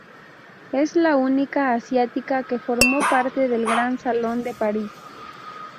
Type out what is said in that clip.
Es la única asiática que formó parte del Gran Salón de París.